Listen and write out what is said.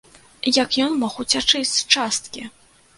Як ён мог уцячы з часткі?